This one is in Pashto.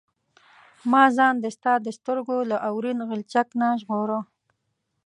ما ځان د ستا د سترګو له اورین غلچک نه ژغوره.